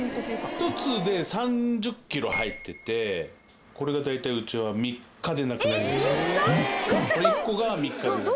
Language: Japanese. １つで３０キロ入っててこれが大体うちはこれ１個が３日でなくなる。